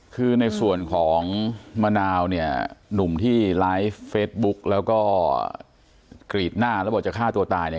คือในส่วนของมะนาวเนี่ยหนุ่มที่ไลฟ์เฟซบุ๊กแล้วก็กรีดหน้าแล้วบอกจะฆ่าตัวตายเนี่ย